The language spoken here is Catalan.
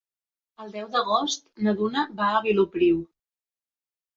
El deu d'agost na Duna va a Vilopriu.